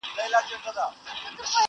له آسمانه هاتف ږغ کړل چي احمقه.!